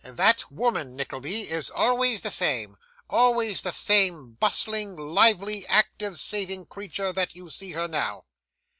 That woman, Nickleby, is always the same always the same bustling, lively, active, saving creetur that you see her now.